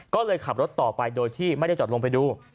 ก็เลยขับรถต่อไปโดยที่ไม่ได้จอดลงไปดู